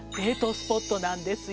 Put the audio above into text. スポットなんですよ。